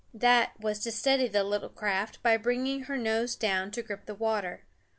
That was to steady the little craft by bringing her nose down to grip the water.